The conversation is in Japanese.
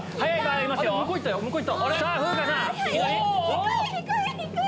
低い低い低い！